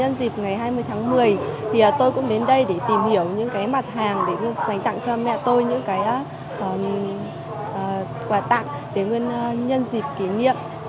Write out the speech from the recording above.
nhân dịp ngày hai mươi tháng một mươi tôi cũng đến đây để tìm hiểu những mặt hàng để dành tặng cho mẹ tôi những quà tặng để nhân dịp kỷ niệm